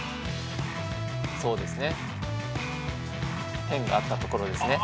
そうですね変があったところですね。